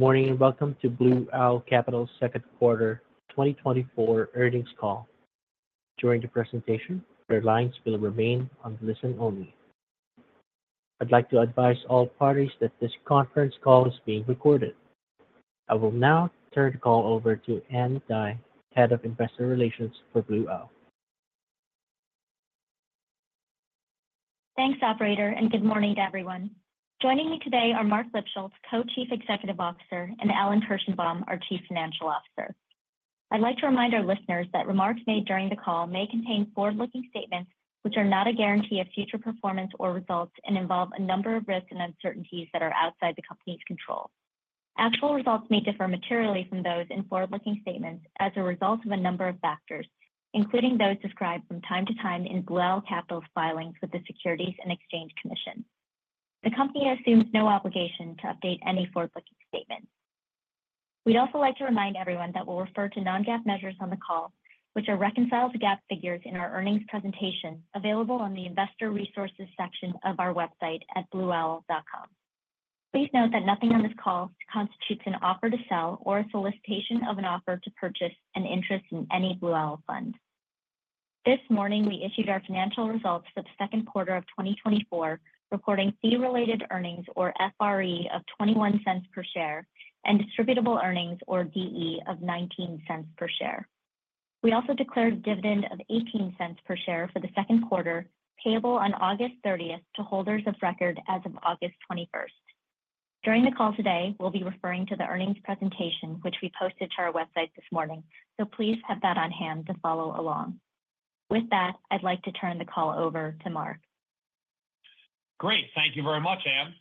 Good morning, and welcome to Blue Owl Capital's Second Quarter 2024 Earnings Call. During the presentation, your lines will remain on listen only. I'd like to advise all parties that this conference call is being recorded. I will now turn the call over to Ann Dai, Head of Investor Relations for Blue Owl. Thanks, operator, and good morning to everyone. Joining me today are Marc Lipschultz, Co-Chief Executive Officer, and Alan Kirshenbaum, our Chief Financial Officer. I'd like to remind our listeners that remarks made during the call may contain forward-looking statements, which are not a guarantee of future performance or results, and involve a number of risks and uncertainties that are outside the company's control. Actual results may differ materially from those in forward-looking statements as a result of a number of factors, including those described from time to time in Blue Owl Capital's filings with the Securities and Exchange Commission. The company assumes no obligation to update any forward-looking statements. We'd also like to remind everyone that we'll refer to non-GAAP measures on the call, which are reconciled to GAAP figures in our earnings presentation, available on the Investor Resources section of our website at blueowl.com. Please note that nothing on this call constitutes an offer to sell or a solicitation of an offer to purchase an interest in any Blue Owl fund. This morning, we issued our financial results for the second quarter of 2024, recording fee-related earnings, or FRE, of $0.21 per share, and distributable earnings, or DE, of $0.19 per share. We also declared a dividend of $0.18 per share for the second quarter, payable on August thirtieth to holders of record as of August twenty-first. During the call today, we'll be referring to the earnings presentation, which we posted to our website this morning, so please have that on hand to follow along. With that, I'd like to turn the call over to Marc. Great. Thank you very much, Ann.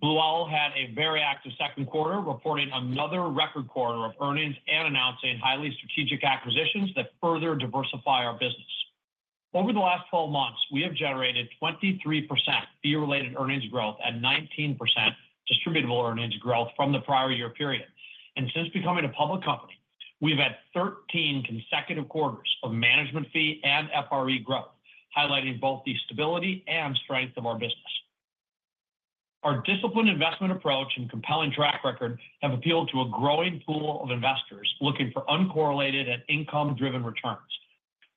Blue Owl had a very active second quarter, reporting another record quarter of earnings and announcing highly strategic acquisitions that further diversify our business. Over the last 12 months, we have generated 23% fee-related earnings growth and 19% distributable earnings growth from the prior year period. And since becoming a public company, we've had 13 consecutive quarters of management fee and FRE growth, highlighting both the stability and strength of our business. Our disciplined investment approach and compelling track record have appealed to a growing pool of investors looking for uncorrelated and income-driven returns.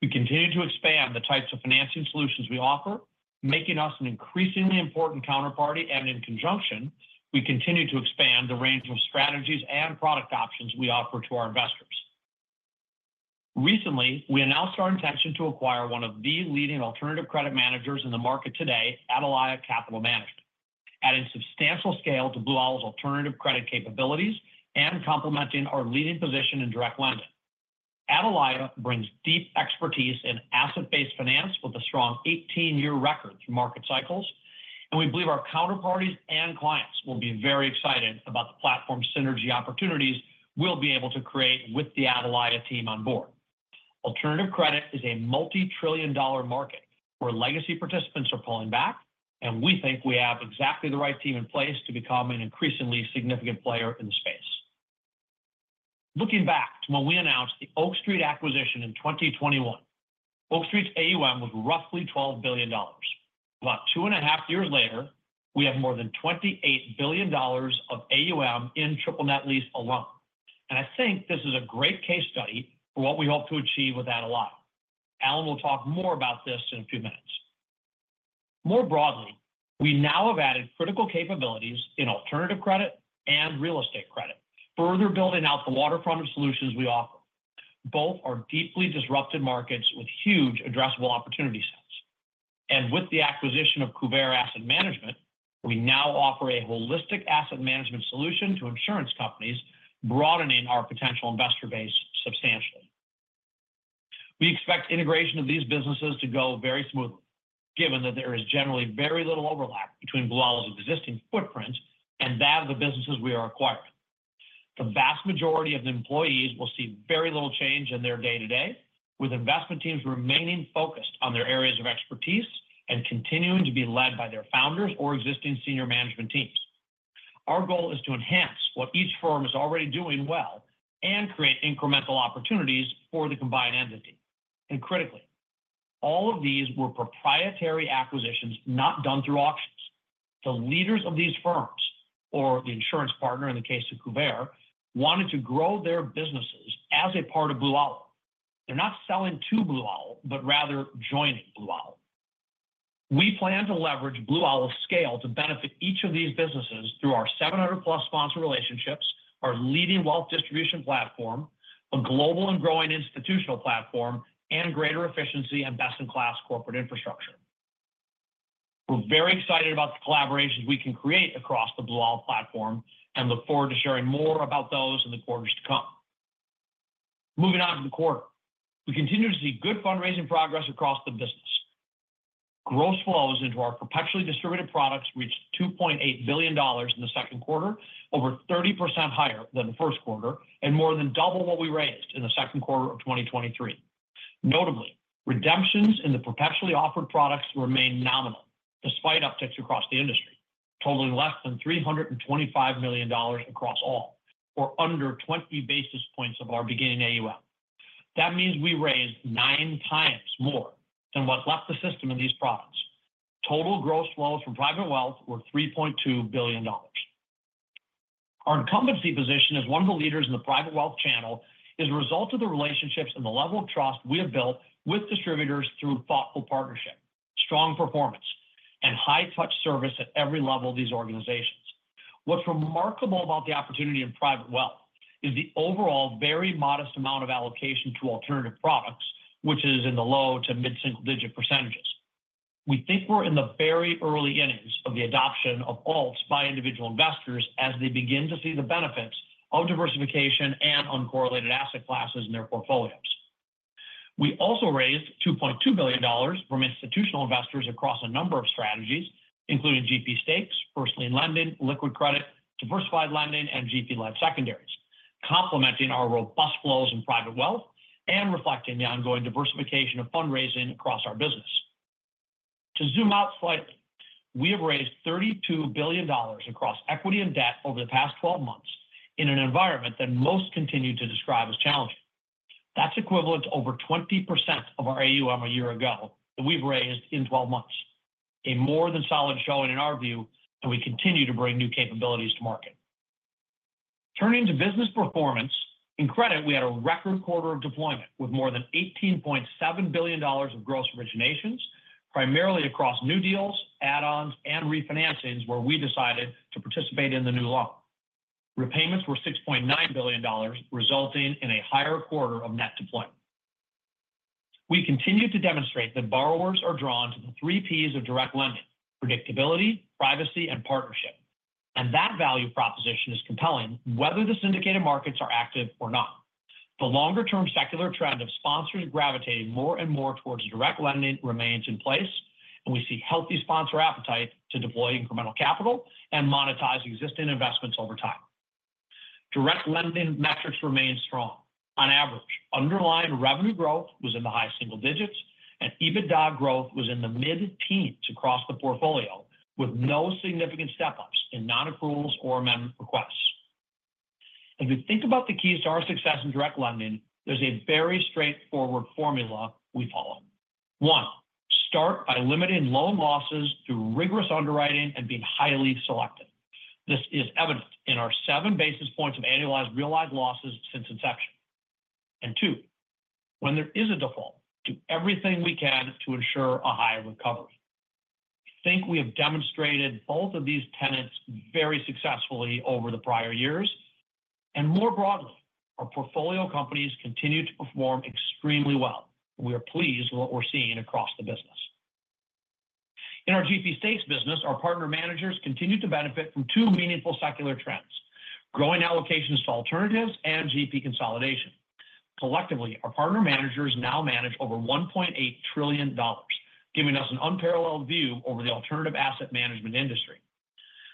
We continue to expand the types of financing solutions we offer, making us an increasingly important counterparty, and in conjunction, we continue to expand the range of strategies and product options we offer to our investors. Recently, we announced our intention to acquire one of the leading alternative credit managers in the market today, Atalaya Capital Management, adding substantial scale to Blue Owl's alternative credit capabilities and complementing our leading position in direct lending. Atalaya brings deep expertise in asset-based finance with a strong eighteen-year record through market cycles, and we believe our counterparties and clients will be very excited about the platform synergy opportunities we'll be able to create with the Atalaya team on board. Alternative credit is a multi-trillion dollar market, where legacy participants are pulling back, and we think we have exactly the right team in place to become an increasingly significant player in the space. Looking back to when we announced the Oak Street acquisition in 2021, Oak Street's AUM was roughly $12 billion. About two and a half years later, we have more than $28 billion of AUM in triple net lease alone, and I think this is a great case study for what we hope to achieve with Atalaya. Alan will talk more about this in a few minutes. More broadly, we now have added critical capabilities in alternative credit and real estate credit, further building out the waterfront of solutions we offer. Both are deeply disrupted markets with huge addressable opportunity sets. And with the acquisition of Kuvare Asset Management, we now offer a holistic asset management solution to insurance companies, broadening our potential investor base substantially. We expect integration of these businesses to go very smoothly, given that there is generally very little overlap between Blue Owl's existing footprint and that of the businesses we are acquiring. The vast majority of the employees will see very little change in their day-to-day, with investment teams remaining focused on their areas of expertise and continuing to be led by their founders or existing senior management teams. Our goal is to enhance what each firm is already doing well and create incremental opportunities for the combined entity. Critically, all of these were proprietary acquisitions not done through auctions. The leaders of these firms, or the insurance partner in the case of Kuvare, wanted to grow their businesses as a part of Blue Owl. They're not selling to Blue Owl, but rather joining Blue Owl. We plan to leverage Blue Owl's scale to benefit each of these businesses through our 700+ sponsor relationships, our leading wealth distribution platform, a global and growing institutional platform, and greater efficiency and best-in-class corporate infrastructure. We're very excited about the collaborations we can create across the Blue Owl platform and look forward to sharing more about those in the quarters to come. Moving on to the quarter. We continue to see good fundraising progress across the business. Gross flows into our perpetually distributed products reached $2.8 billion in the second quarter, over 30% higher than the first quarter, and more than double what we raised in the second quarter of 2023. Notably, redemptions in the perpetually offered products remained nominal, despite upticks across the industry, totaling less than $325 million across all, or under 20 basis points of our beginning AUM. That means we raised nine times more than what left the system in these products.... Total gross flows from private wealth were $3.2 billion. Our incumbency position as one of the leaders in the private wealth channel is a result of the relationships and the level of trust we have built with distributors through thoughtful partnership, strong performance, and high touch service at every level of these organizations. What's remarkable about the opportunity in private wealth is the overall very modest amount of allocation to alternative products, which is in the low- to mid-single-digit percentages. We think we're in the very early innings of the adoption of alts by individual investors as they begin to see the benefits of diversification and uncorrelated asset classes in their portfolios. We also raised $2.2 billion from institutional investors across a number of strategies, including GP stakes, primarily in lending, liquid credit, diversified lending, and GP-led secondaries, complementing our robust flows in private wealth and reflecting the ongoing diversification of fundraising across our business. To zoom out slightly, we have raised $32 billion across equity and debt over the past 12 months in an environment that most continue to describe as challenging. That's equivalent to over 20% of our AUM a year ago that we've raised in 12 months. A more than solid showing in our view, and we continue to bring new capabilities to market. Turning to business performance, in credit, we had a record quarter of deployment with more than $18.7 billion of gross originations, primarily across new deals, add-ons, and refinancings, where we decided to participate in the new loan. Repayments were $6.9 billion, resulting in a higher quarter of net deployment. We continue to demonstrate that borrowers are drawn to the three Ps of direct lending: predictability, privacy, and partnership. That value proposition is compelling, whether the syndicated markets are active or not. The longer-term secular trend of sponsors gravitating more and more towards direct lending remains in place, and we see healthy sponsor appetite to deploy incremental capital and monetize existing investments over time. Direct lending metrics remain strong. On average, underlying revenue growth was in the high single digits, and EBITDA growth was in the mid-teens across the portfolio, with no significant step-ups in non-approvals or amendment requests. If you think about the keys to our success in direct lending, there's a very straightforward formula we follow. One, start by limiting loan losses through rigorous underwriting and being highly selective. This is evident in our seven basis points of annualized realized losses since inception. And two, when there is a default, do everything we can to ensure a high recovery. I think we have demonstrated both of these tenets very successfully over the prior years, and more broadly, our portfolio companies continue to perform extremely well. We are pleased with what we're seeing across the business. In our GP stakes business, our partner managers continue to benefit from two meaningful secular trends, growing allocations to alternatives and GP consolidation. Collectively, our partner managers now manage over $1.8 trillion, giving us an unparalleled view over the alternative asset management industry.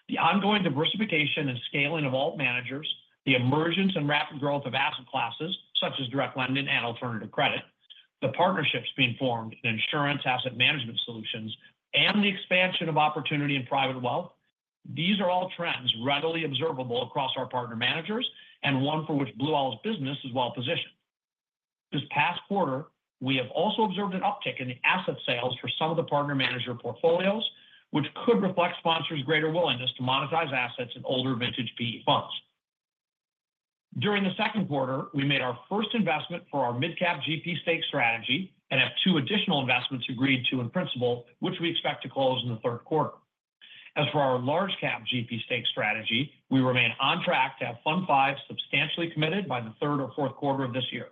The ongoing diversification and scaling of all managers, the emergence and rapid growth of asset classes, such as direct lending and alternative credit, the partnerships being formed in insurance asset management solutions, and the expansion of opportunity in private wealth, these are all trends readily observable across our partner managers and one for which Blue Owl's business is well-positioned. This past quarter, we have also observed an uptick in the asset sales for some of the partner manager portfolios, which could reflect sponsors' greater willingness to monetize assets in older vintage PE funds. During the second quarter, we made our first investment for our mid-cap GP stake strategy and have two additional investments agreed to in principle, which we expect to close in the third quarter. As for our large cap GP stake strategy, we remain on track to have Fund V substantially committed by the third or fourth quarter of this year.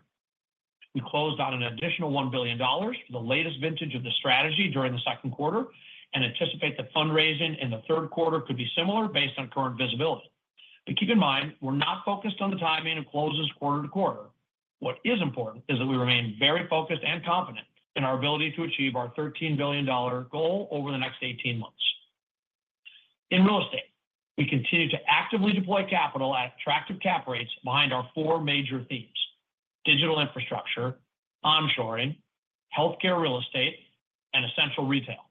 We closed on an additional $1 billion for the latest vintage of the strategy during the second quarter, and anticipate the fundraising in the third quarter could be similar based on current visibility. Keep in mind, we're not focused on the timing of closes quarter to quarter. What is important is that we remain very focused and confident in our ability to achieve our $13 billion goal over the next 18 months. In real estate, we continue to actively deploy capital at attractive cap rates behind our four major themes: digital infrastructure, onshoring, healthcare real estate, and essential retail.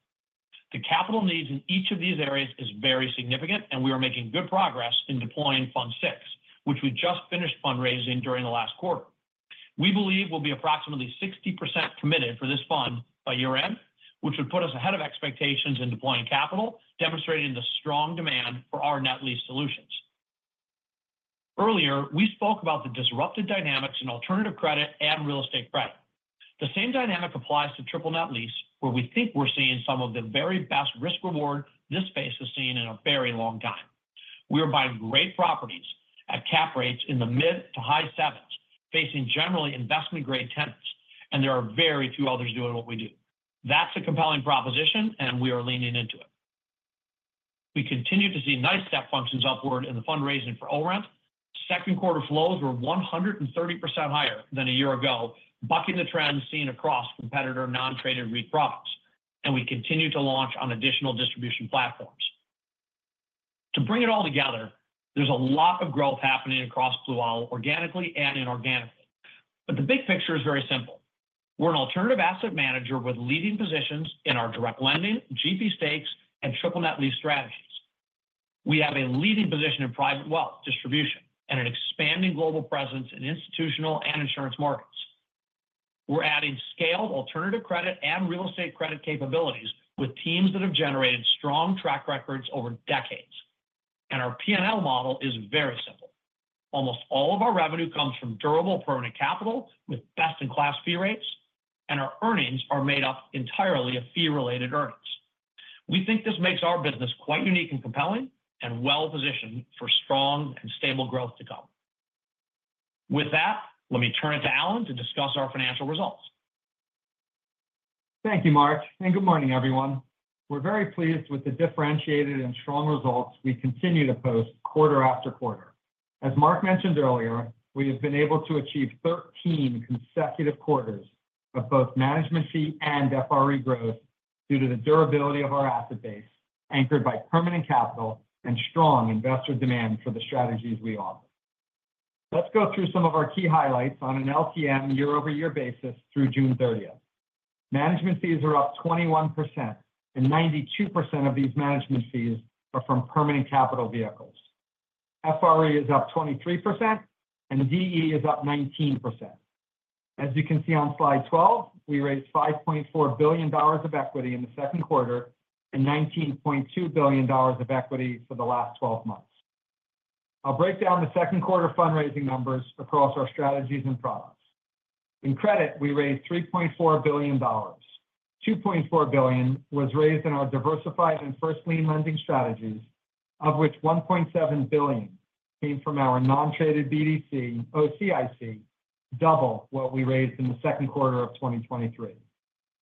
The capital needs in each of these areas is very significant, and we are making good progress in deploying Fund VI, which we just finished fundraising during the last quarter. We believe we'll be approximately 60% committed for this fund by year-end, which would put us ahead of expectations in deploying capital, demonstrating the strong demand for our net lease solutions. Earlier, we spoke about the disrupted dynamics in alternative credit and real estate credit. The same dynamic applies to triple net lease, where we think we're seeing some of the very best risk-reward this space has seen in a very long time. We are buying great properties at cap rates in the mid to high sevens, facing generally investment-grade tenants, and there are very few others doing what we do. That's a compelling proposition, and we are leaning into it. We continue to see nice step functions upward in the fundraising for ORENT. Second quarter flows were 130% higher than a year ago, bucking the trend seen across competitor non-traded REIT products, and we continue to launch on additional distribution platforms. To bring it all together, there's a lot of growth happening across Blue Owl, organically and inorganically. But the big picture is very simple. We're an alternative asset manager with leading positions in our direct lending, GP stakes, and triple net lease strategies. We have a leading position in private wealth distribution and an expanding global presence in institutional and insurance markets.... We're adding scaled alternative credit and real estate credit capabilities with teams that have generated strong track records over decades. Our P&L model is very simple. Almost all of our revenue comes from durable permanent capital, with best-in-class fee rates, and our earnings are made up entirely of fee-related earnings. We think this makes our business quite unique and compelling, and well-positioned for strong and stable growth to come. With that, let me turn it to Alan to discuss our financial results. Thank you, Marc, and good morning, everyone. We're very pleased with the differentiated and strong results we continue to post quarter after quarter. As Marc mentioned earlier, we have been able to achieve 13 consecutive quarters of both management fee and FRE growth due to the durability of our asset base, anchored by permanent capital and strong investor demand for the strategies we offer. Let's go through some of our key highlights on an LTM year-over-year basis through June thirtieth. Management fees are up 21%, and 92% of these management fees are from permanent capital vehicles. FRE is up 23%, and DE is up 19%. As you can see on slide 12, we raised $5.4 billion of equity in the second quarter, and $19.2 billion of equity for the last 12 months. I'll break down the second quarter fundraising numbers across our strategies and products. In credit, we raised $3.4 billion. $2.4 billion was raised in our diversified and first lien lending strategies, of which $1.7 billion came from our non-traded BDC, OCIC, double what we raised in the second quarter of 2023.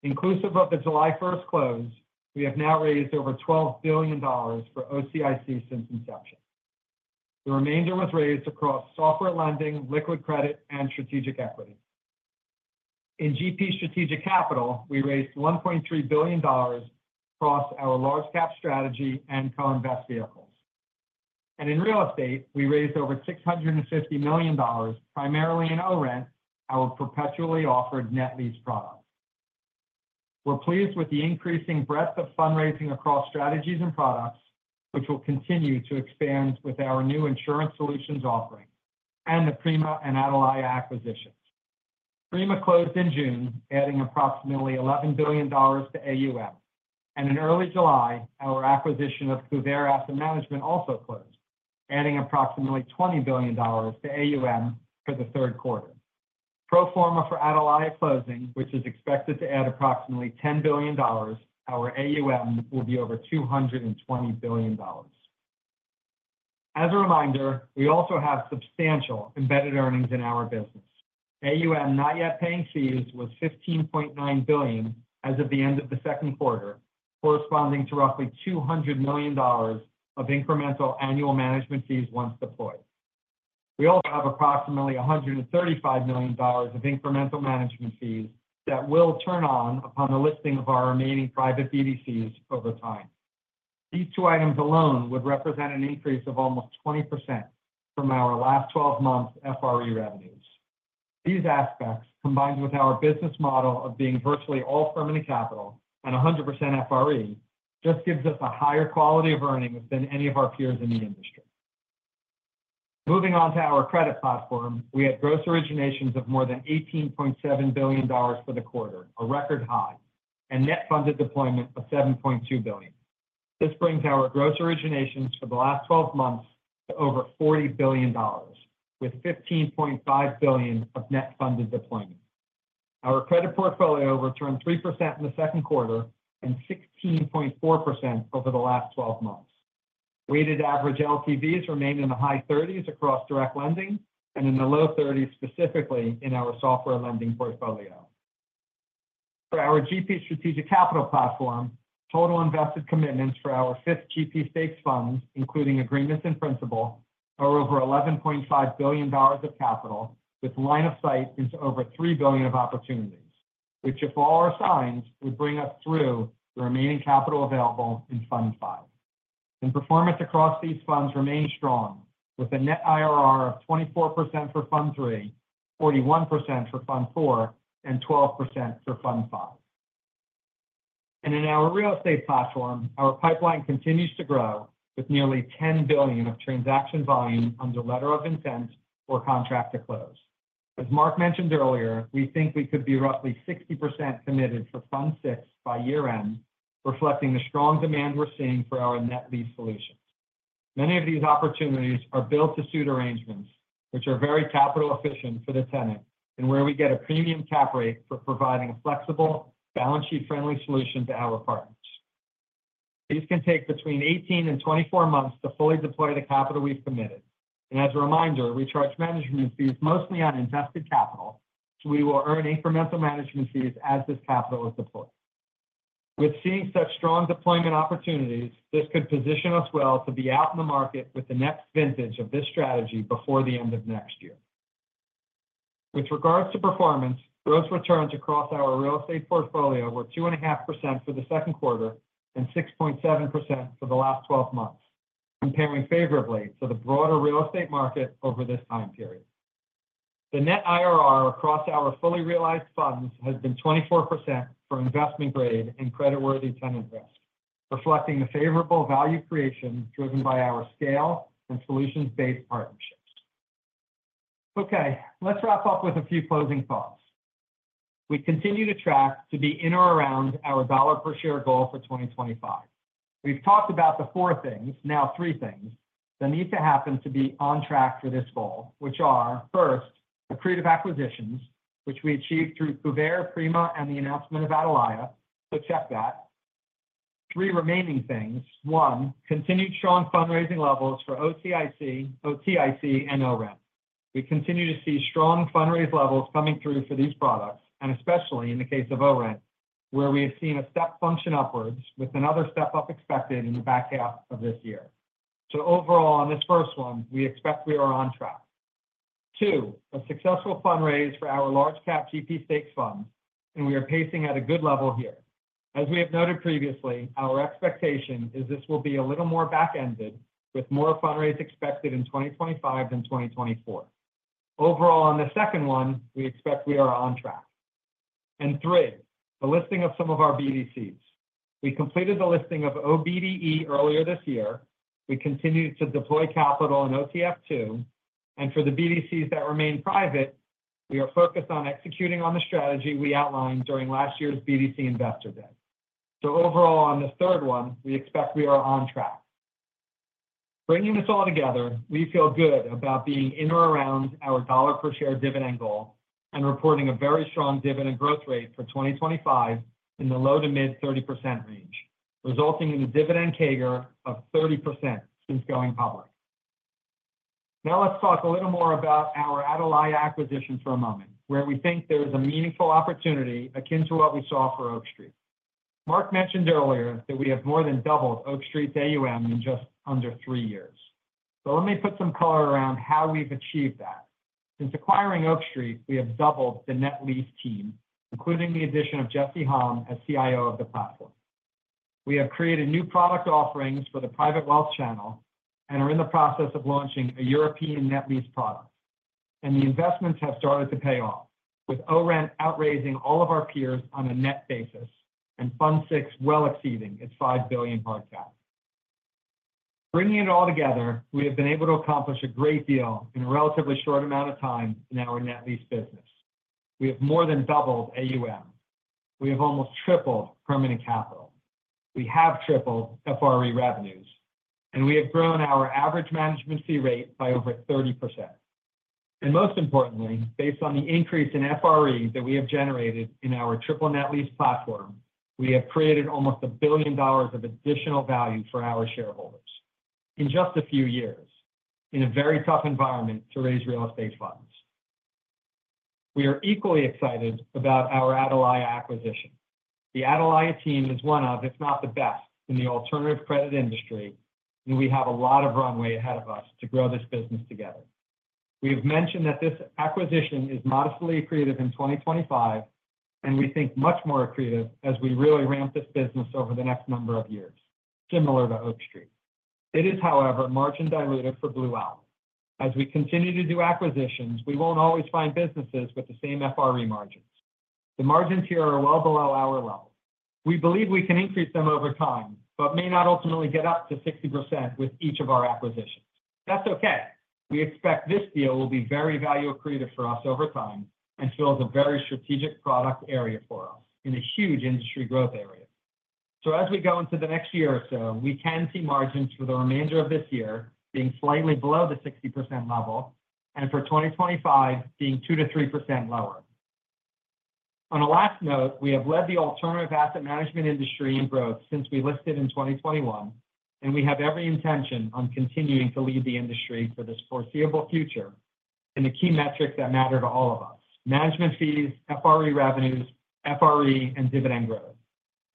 Inclusive of the July 1 close, we have now raised over $12 billion for OCIC since inception. The remainder was raised across software lending, liquid credit, and strategic equity. In GP Strategic Capital, we raised $1.3 billion across our large cap strategy and co-invest vehicles. And in real estate, we raised over $650 million, primarily in ORENT, our perpetually offered net lease product. We're pleased with the increasing breadth of fundraising across strategies and products, which will continue to expand with our new insurance solutions offering and the Prima and Atalaya acquisitions. Prima closed in June, adding approximately $11 billion to AUM, and in early July, our acquisition of Kuvare Asset Management also closed, adding approximately $20 billion to AUM for the third quarter. Pro forma for Atalaya closing, which is expected to add approximately $10 billion, our AUM will be over $220 billion. As a reminder, we also have substantial embedded earnings in our business. AUM, not yet paying fees, was $15.9 billion as of the end of the second quarter, corresponding to roughly $200 million of incremental annual management fees once deployed. We also have approximately $135 million of incremental management fees that will turn on upon the listing of our remaining private BDCs over time. These two items alone would represent an increase of almost 20% from our last twelve months FRE revenues. These aspects, combined with our business model of being virtually all permanent capital and 100% FRE, just gives us a higher quality of earnings than any of our peers in the industry. Moving on to our credit platform, we had gross originations of more than $18.7 billion for the quarter, a record high, and net funded deployment of $7.2 billion. This brings our gross originations for the last twelve months to over $40 billion, with $15.5 billion of net funded deployment. Our credit portfolio returned 3% in the second quarter and 16.4% over the last 12 months. Weighted average LTVs remained in the high thirties across direct lending and in the low thirties, specifically in our software lending portfolio. For our GP strategic capital platform, total invested commitments for our fifth GP stakes funds, including agreements in principle, are over $11.5 billion of capital, with line of sight into over $3 billion of opportunities, which, if all are signed, would bring us through the remaining capital available in Fund V. Performance across these funds remains strong, with a net IRR of 24% for Fund III, 41% for Fund IV, and 12% for Fund V. In our real estate platform, our pipeline continues to grow, with nearly $10 billion of transaction volume under letter of intent or contract to close. As Marc mentioned earlier, we think we could be roughly 60% committed for Fund VI by year-end, reflecting the strong demand we're seeing for our net lease solutions. Many of these opportunities are built to suit arrangements which are very capital efficient for the tenant, and where we get a premium cap rate for providing a flexible, balance sheet-friendly solution to our partners. These can take between 18-24 months to fully deploy the capital we've committed, and as a reminder, we charge management fees mostly on invested capital, so we will earn incremental management fees as this capital is deployed. With seeing such strong deployment opportunities, this could position us well to be out in the market with the next vintage of this strategy before the end of next year. With regards to performance, gross returns across our real estate portfolio were 2.5% for the second quarter and 6.7% for the last twelve months, comparing favorably to the broader real estate market over this time period. The net IRR across our fully realized funds has been 24% for investment grade and creditworthy tenant risk... reflecting the favorable value creation driven by our scale and solutions-based partnerships. Okay, let's wrap up with a few closing thoughts. We continue to track to be in or around our $1 per share goal for 2025. We've talked about the four things, now three things, that need to happen to be on track for this goal, which are, first, accretive acquisitions, which we achieved through Kuvare, Prima, and the announcement of Atalaya. So check that. Three remaining things: one, continued strong fundraising levels for OCIC, OTIC, and ORENT. We continue to see strong fundraise levels coming through for these products, and especially in the case of ORENT, where we have seen a step function upwards with another step-up expected in the back half of this year. So overall, on this first one, we expect we are on track. Two, a successful fundraise for our large cap GP stakes fund, and we are pacing at a good level here. As we have noted previously, our expectation is this will be a little more back-ended, with more fundraise expected in 2025 than 2024. Overall, on the second one, we expect we are on track. And three, the listing of some of our BDCs. We completed the listing of OBDE earlier this year. We continue to deploy capital in OTF II, and for the BDCs that remain private, we are focused on executing on the strategy we outlined during last year's BDC Investor Day. So overall, on this third one, we expect we are on track. Bringing this all together, we feel good about being in or around our $1 per share dividend goal and reporting a very strong dividend growth rate for 2025 in the low-to-mid 30% range, resulting in a dividend CAGR of 30% since going public. Now, let's talk a little more about our Atalaya acquisition for a moment, where we think there is a meaningful opportunity akin to what we saw for Oak Street. Marc mentioned earlier that we have more than doubled Oak Street's AUM in just under three years. So let me put some color around how we've achieved that. Since acquiring Oak Street, we have doubled the net lease team, including the addition of Jesse Hom as CIO of the platform. We have created new product offerings for the private wealth channel and are in the process of launching a European net lease product. The investments have started to pay off, with ORENT outraising all of our peers on a net basis and Fund VI well exceeding its $5 billion hard cap. Bringing it all together, we have been able to accomplish a great deal in a relatively short amount of time in our net lease business. We have more than doubled AUM. We have almost tripled permanent capital. We have tripled FRE revenues, and we have grown our average management fee rate by over 30%. Most importantly, based on the increase in FRE that we have generated in our triple net lease platform, we have created almost $1 billion of additional value for our shareholders in just a few years, in a very tough environment to raise real estate funds. We are equally excited about our Atalaya acquisition. The Atalaya team is one of, if not the best, in the alternative credit industry, and we have a lot of runway ahead of us to grow this business together. We've mentioned that this acquisition is modestly accretive in 2025, and we think much more accretive as we really ramp this business over the next number of years, similar to Oak Street. It is, however, margin dilutive for Blue Owl. As we continue to do acquisitions, we won't always find businesses with the same FRE margins. The margins here are well below our level. We believe we can increase them over time, but may not ultimately get up to 60% with each of our acquisitions. That's okay. We expect this deal will be very value accretive for us over time and fills a very strategic product area for us in a huge industry growth area. So as we go into the next year or so, we can see margins for the remainder of this year being slightly below the 60% level, and for 2025, being 2%-3% lower. On a last note, we have led the alternative asset management industry in growth since we listed in 2021, and we have every intention on continuing to lead the industry for this foreseeable future in the key metrics that matter to all of us: management fees, FRE revenues, FRE, and dividend growth.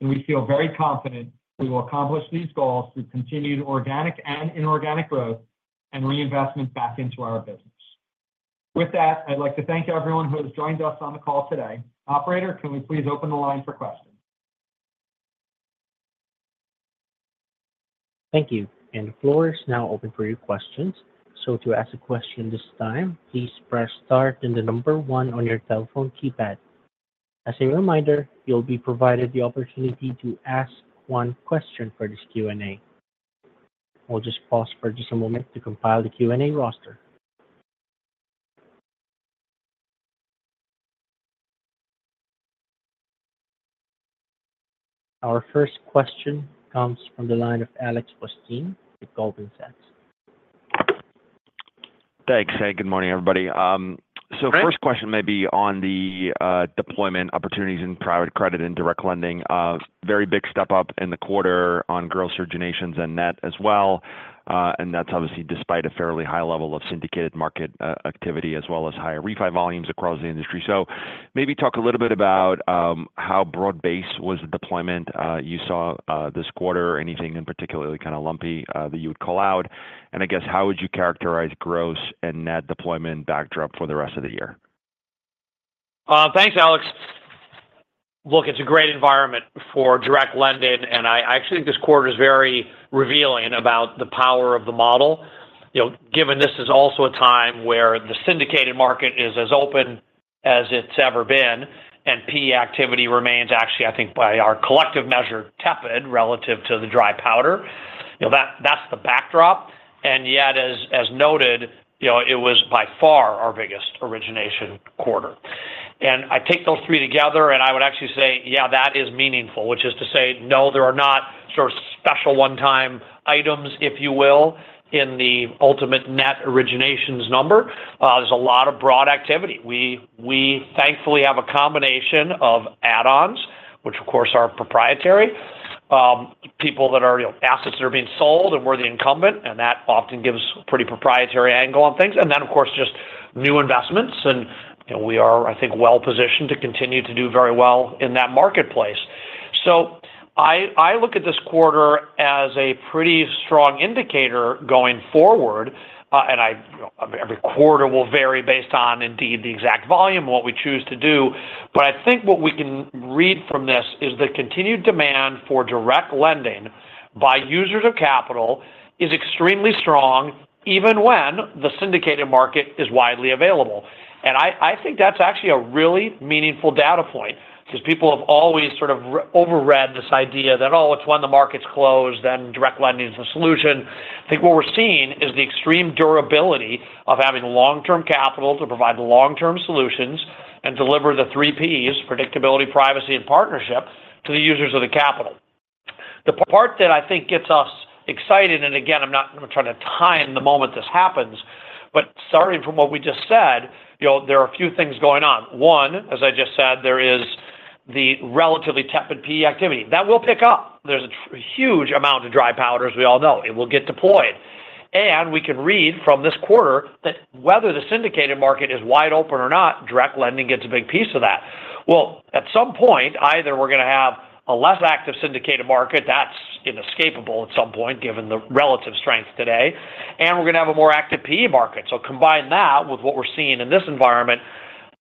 We feel very confident we will accomplish these goals through continued organic and inorganic growth and reinvestment back into our business. With that, I'd like to thank everyone who has joined us on the call today. Operator, can we please open the line for questions? Thank you. And the floor is now open for your questions. So to ask a question this time, please press Star then the number one on your telephone keypad. As a reminder, you'll be provided the opportunity to ask one question for this Q&A. We'll just pause for just a moment to compile the Q&A roster. Our first question comes from the line of Alex Blostein with Goldman Sachs. Thanks. Hey, good morning, everybody. So first question may be on the deployment opportunities in private credit and direct lending. Very big step up in the quarter on gross originations and net as well. And that's obviously despite a fairly high level of syndicated market activity, as well as higher refi volumes across the industry. So maybe talk a little bit about how broad-based was the deployment you saw this quarter, anything in particularly kinda lumpy that you would call out? And I guess, how would you characterize gross and net deployment backdrop for the rest of the year? Thanks, Alex. Look, it's a great environment for direct lending, and I actually think this quarter is very revealing about the power of the model.... You know, given this is also a time where the syndicated market is as open as it's ever been, and PE activity remains actually, I think, by our collective measure, tepid relative to the dry powder. You know, that, that's the backdrop, and yet, as, as noted, you know, it was by far our biggest origination quarter. And I take those three together, and I would actually say, yeah, that is meaningful, which is to say, no, there are not sort of special one-time items, if you will, in the ultimate net originations number. There's a lot of broad activity. We, we thankfully have a combination of add-ons, which of course, are proprietary. People that are, you know, assets that are being sold, and we're the incumbent, and that often gives a pretty proprietary angle on things. And then, of course, just new investments, and, you know, we are, I think, well-positioned to continue to do very well in that marketplace. So I look at this quarter as a pretty strong indicator going forward, and every quarter will vary based on indeed the exact volume, what we choose to do. But I think what we can read from this is the continued demand for direct lending by users of capital is extremely strong, even when the syndicated market is widely available. I think that's actually a really meaningful data point, because people have always sort of overread this idea that, "Oh, it's when the market's closed, then direct lending is the solution." I think what we're seeing is the extreme durability of having long-term capital to provide long-term solutions and deliver the three Ps, predictability, privacy, and partnership, to the users of the capital. The part that I think gets us excited, and again, I'm not going to try to time the moment this happens, but starting from what we just said, you know, there are a few things going on. One, as I just said, there is the relatively tepid PE activity. That will pick up. There's a huge amount of dry powder, as we all know. It will get deployed. We can read from this quarter that whether the syndicated market is wide open or not, direct lending gets a big piece of that. Well, at some point, either we're going to have a less active syndicated market, that's inescapable at some point, given the relative strength today, and we're going to have a more active PE market. So combine that with what we're seeing in this environment,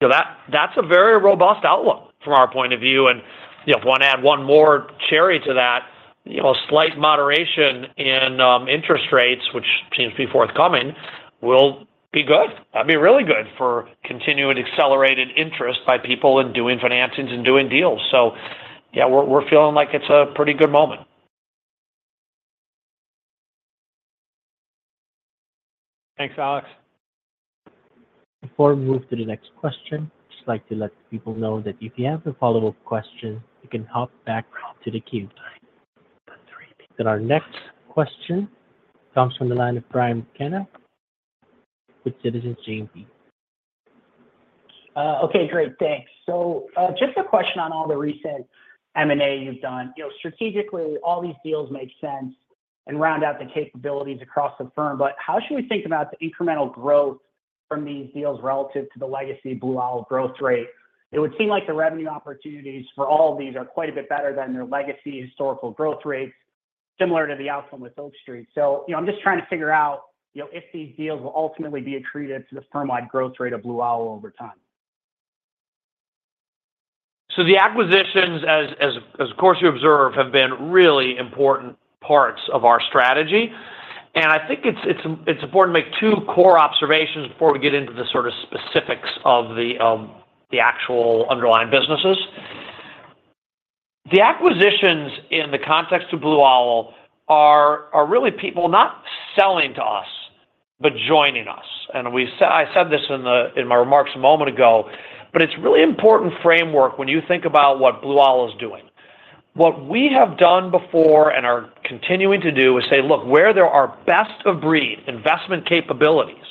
so that's a very robust outlook from our point of view. And, you know, if you want to add one more cherry to that, you know, a slight moderation in interest rates, which seems to be forthcoming, will be good. That'd be really good for continuing accelerated interest by people in doing financings and doing deals. So yeah, we're feeling like it's a pretty good moment. Thanks, Alex. Before we move to the next question, I'd just like to let people know that if you have a follow-up question, you can hop back to the queue. Then our next question comes from the line of Brian McKenna with Citizens JMP. Okay, great. Thanks. So, just a question on all the recent M&A you've done. You know, strategically, all these deals make sense and round out the capabilities across the firm, but how should we think about the incremental growth from these deals relative to the legacy Blue Owl growth rate? It would seem like the revenue opportunities for all of these are quite a bit better than their legacy historical growth rates, similar to the outcome with Oak Street. So, you know, I'm just trying to figure out, you know, if these deals will ultimately be accretive to the firm-wide growth rate of Blue Owl over time. So the acquisitions, as of course, you observe, have been really important parts of our strategy, and I think it's important to make two core observations before we get into the sort of specifics of the actual underlying businesses. The acquisitions in the context of Blue Owl are really people not selling to us, but joining us. And I said this in the, in my remarks a moment ago, but it's really important framework when you think about what Blue Owl is doing. What we have done before and are continuing to do is say, look, where there are best-of-breed investment capabilities,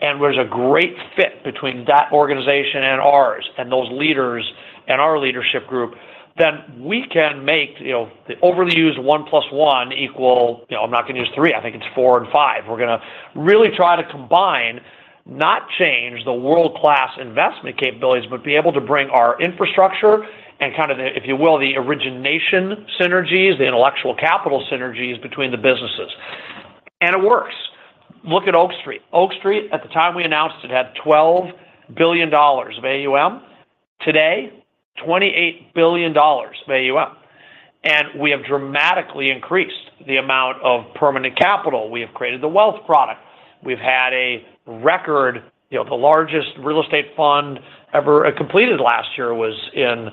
and there's a great fit between that organization and ours, and those leaders and our leadership group, then we can make, you know, the overly used one plus one equal... You know, I'm not going to use three. I think it's 4 and 5. We're going to really try to combine, not change the world-class investment capabilities, but be able to bring our infrastructure and kind of the, if you will, the origination synergies, the intellectual capital synergies between the businesses. And it works. Look at Oak Street. Oak Street, at the time we announced it, had $12 billion of AUM. Today, $28 billion of AUM. And we have dramatically increased the amount of permanent capital. We have created the wealth product. We've had a record, you know, the largest real estate fund ever completed last year was in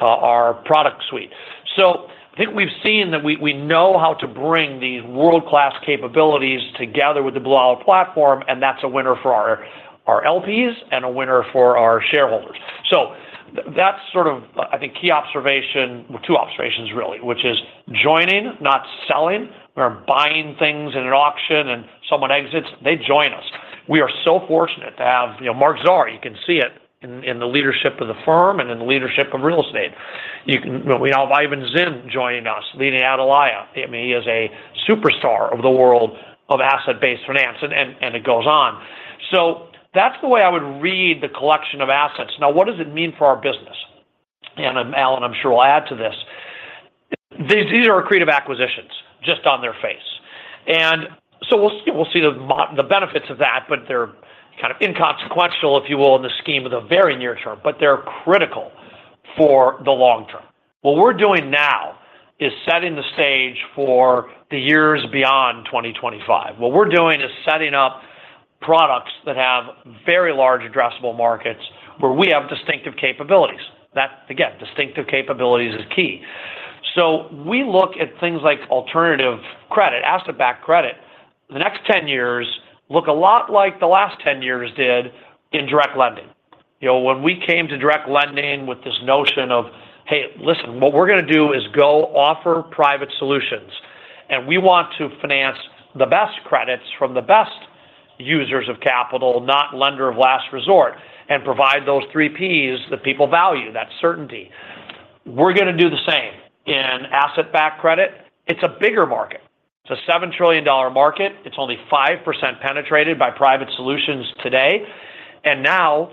our product suite. So I think we've seen that we know how to bring these world-class capabilities together with the Blue Owl platform, and that's a winner for our LPs and a winner for our shareholders. So that's sort of, I think, key observation, well, two observations, really, which is joining, not selling. We're buying things in an auction and someone exits, they join us. We are so fortunate to have, you know, Marc Zahr, you can see it in the leadership of the firm and in the leadership of real estate. We have Ivan Zinn joining us, leading Atalaya. I mean, he is a superstar of the world of asset-based finance, and it goes on. So that's the way I would read the collection of assets. Now, what does it mean for our business? And Alan, I'm sure, will add to this. These are accretive acquisitions just on their face. And so we'll, we'll see the benefits of that, but they're kind of inconsequential, if you will, in the scheme of the very near term, but they're critical for the long term. What we're doing now is setting the stage for the years beyond 2025. What we're doing is setting up products that have very large addressable markets, where we have distinctive capabilities. That, again, distinctive capabilities is key. So we look at things like alternative credit, asset-backed credit. The next 10 years look a lot like the last 10 years did in direct lending. You know, when we came to direct lending with this notion of, "Hey, listen, what we're gonna do is go offer private solutions, and we want to finance the best credits from the best users of capital, not lender of last resort, and provide those three Ps that people value, that certainty." We're gonna do the same in asset-backed credit. It's a bigger market. It's a $7 trillion market. It's only 5% penetrated by private solutions today. And now,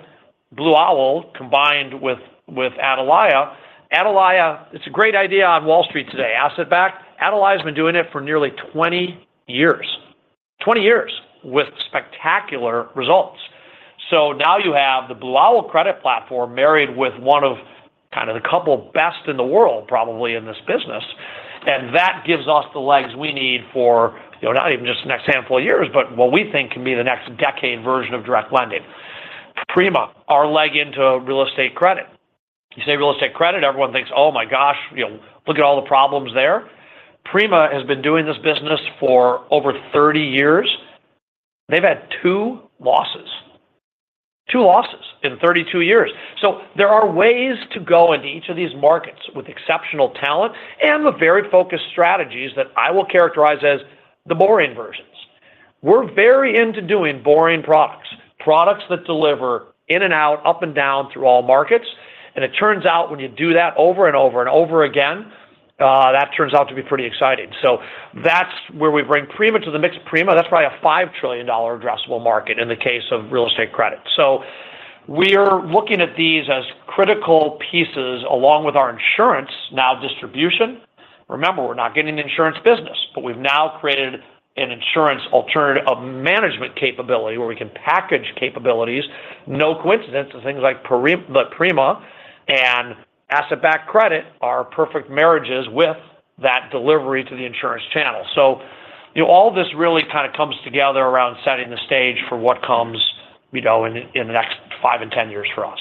Blue Owl, combined with, with Atalaya. Atalaya, it's a great idea on Wall Street today, asset-backed. Atalaya has been doing it for nearly 20 years. 20 years with spectacular results. So now you have the Blue Owl credit platform married with one of kind of the couple best in the world, probably in this business, and that gives us the legs we need for, you know, not even just the next handful of years, but what we think can be the next decade version of direct lending. Prima, our leg into real estate credit. You say real estate credit, everyone thinks, oh, my gosh, you know, look at all the problems there. Prima has been doing this business for over 30 years. They've had two losses. Two losses in 32 years. So there are ways to go into each of these markets with exceptional talent and the very focused strategies that I will characterize as the boring versions. We're very into doing boring products, products that deliver in and out, up and down through all markets. And it turns out, when you do that over and over and over again, that turns out to be pretty exciting. So that's where we bring Prima to the mix. Prima, that's probably a $5 trillion addressable market in the case of real estate credit. So we're looking at these as critical pieces along with our insurance, now distribution. Remember, we're not getting an insurance business, but we've now created an insurance alternative of management capability, where we can package capabilities. No coincidence to things like the Prima and asset-backed credit are perfect marriages with that delivery to the insurance channel. So, you know, all this really kind of comes together around setting the stage for what comes, we know, in, in the next five and 10 years for us.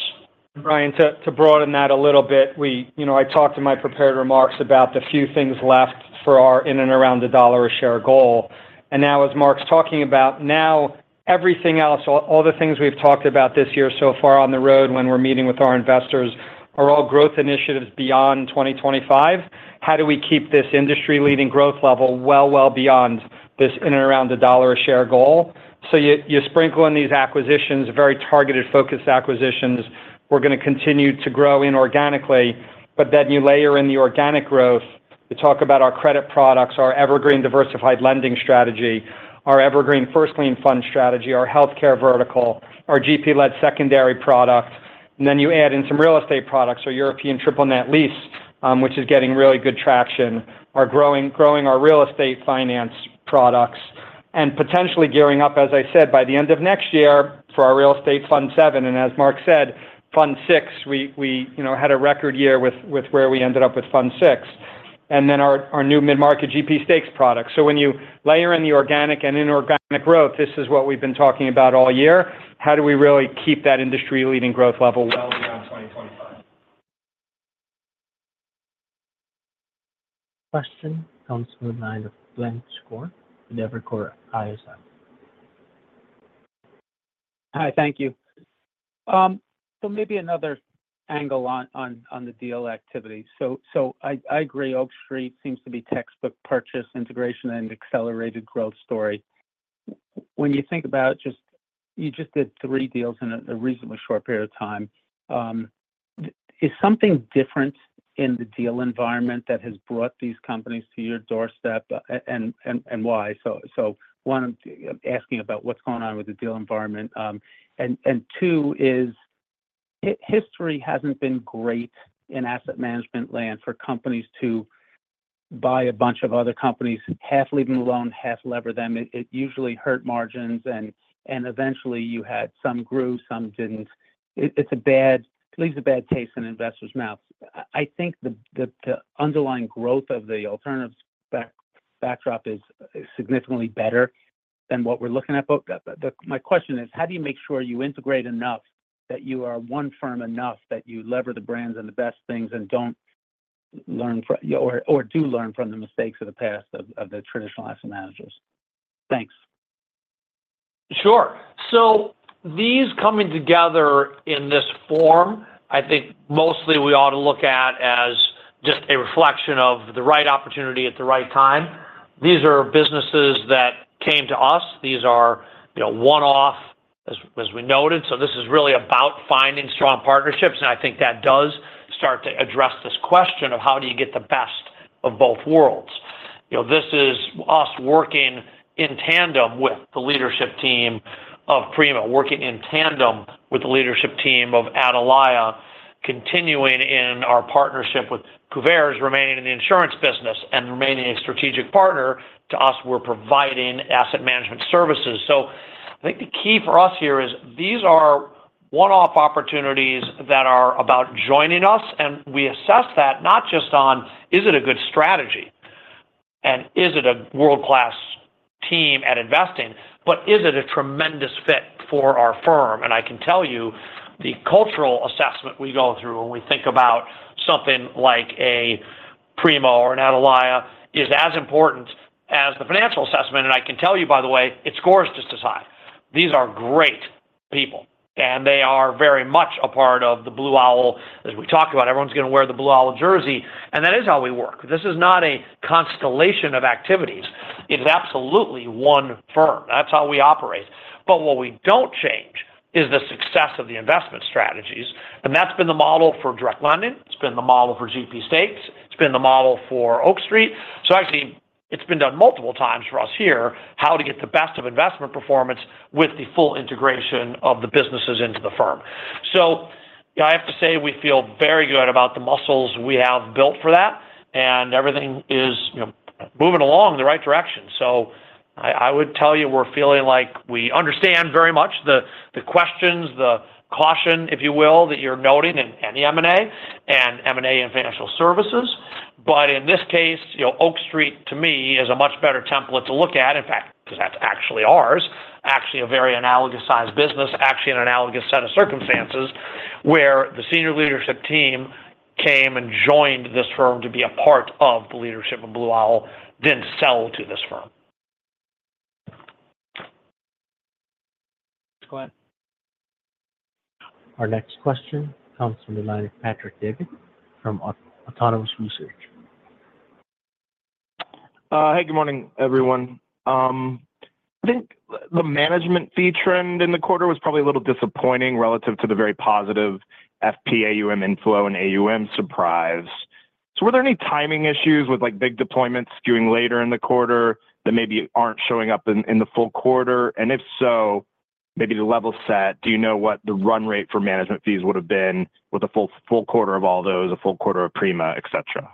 Brian, to broaden that a little bit, we—you know, I talked in my prepared remarks about the few things left for our in and around the $1 a share goal. Now, as Marc's talking about, everything else, all the things we've talked about this year so far on the road when we're meeting with our investors, are all growth initiatives beyond 2025. How do we keep this industry-leading growth level well beyond this in and around the $1 a share goal? So you sprinkle in these acquisitions, very targeted, focused acquisitions. We're gonna continue to grow inorganically, but then you layer in the organic growth. You talk about our credit products, our evergreen diversified lending strategy, our evergreen first lien fund strategy, our healthcare vertical, our GP-led secondary product, and then you add in some real estate products or European triple net lease, which is getting really good traction, are growing our real estate finance products. Potentially gearing up, as I said, by the end of next year for our real estate Fund VII. As Mark said, Fund VI, we, you know, had a record year with where we ended up with Fund VI, and then our new mid-market GP stakes product. So when you layer in the organic and inorganic growth, this is what we've been talking about all year. How do we really keep that industry-leading growth level well beyond 2025? Question comes from the line of Glenn Schorr, Evercore ISI. Hi, thank you. So maybe another angle on the deal activity. So I agree, Oak Street seems to be textbook purchase, integration, and accelerated growth story. When you think about just—you just did three deals in a reasonably short period of time, is something different in the deal environment that has brought these companies to your doorstep, and why? So one, asking about what's going on with the deal environment. And two is, history hasn't been great in asset management land for companies to buy a bunch of other companies, half leaving alone, half lever them. It usually hurt margins, and eventually you had some grew, some didn't. It leaves a bad taste in investors' mouths. I think the underlying growth of the alternatives backdrop is significantly better than what we're looking at, but my question is, how do you make sure you integrate enough, that you are one firm enough, that you lever the brands and the best things and don't learn from or do learn from the mistakes of the past of the traditional asset managers? Thanks. Sure. So these coming together in this form, I think mostly we ought to look at as just a reflection of the right opportunity at the right time. These are businesses that came to us. These are, you know, one-off, as we noted. So this is really about finding strong partnerships, and I think that does start to address this question of how do you get the best of both worlds. You know, this is us working in tandem with the leadership team of Prima, working in tandem with the leadership team of Atalaya, continuing in our partnership with Kuvare, remaining in the insurance business and remaining a strategic partner. To us, we're providing asset management services. So-... I think the key for us here is these are one-off opportunities that are about joining us, and we assess that not just on, is it a good strategy, and is it a world-class team at investing, but is it a tremendous fit for our firm? I can tell you, the cultural assessment we go through when we think about something like a Prima or an Atalaya, is as important as the financial assessment. I can tell you, by the way, it scores just as high. These are great people, and they are very much a part of the Blue Owl. As we talked about, everyone's gonna wear the Blue Owl jersey, and that is how we work. This is not a constellation of activities. It is absolutely one firm. That's how we operate. But what we don't change is the success of the investment strategies, and that's been the model for Direct Lending, it's been the model for GP Stakes, it's been the model for Oak Street. So actually, it's been done multiple times for us here, how to get the best of investment performance with the full integration of the businesses into the firm. So I have to say, we feel very good about the muscles we have built for that, and everything is, you know, moving along in the right direction. So I, I would tell you, we're feeling like we understand very much the, the questions, the caution, if you will, that you're noting in, any M&A, and M&A in financial services. But in this case, you know, Oak Street, to me, is a much better template to look at. In fact, because that's actually ours, actually a very analogous-sized business, actually an analogous set of circumstances, where the senior leadership team came and joined this firm to be a part of the leadership of Blue Owl, didn't sell to this firm. Go ahead. Our next question comes from the line of Patrick Davitt from Autonomous Research. Hey, good morning, everyone. I think the management fee trend in the quarter was probably a little disappointing relative to the very positive FPAUM inflow and AUM surprise. So were there any timing issues with, like, big deployments skewing later in the quarter that maybe aren't showing up in, in the full quarter? And if so, maybe the level set, do you know what the run rate for management fees would have been with a full, full quarter of all those, a full quarter of Prima, et cetera?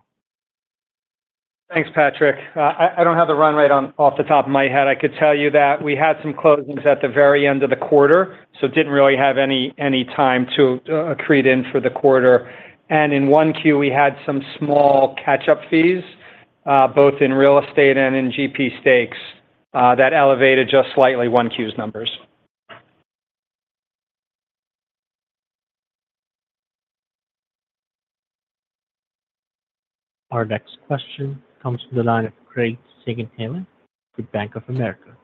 Thanks, Patrick. I don't have the run rate off the top of my head. I could tell you that we had some closings at the very end of the quarter, so didn't really have any time to accrete in for the quarter. And in 1Q, we had some small catch-up fees, both in real estate and in GP stakes, that elevated just slightly 1Q's numbers. Our next question comes from the line of Craig Siegenthaler with Bank of America.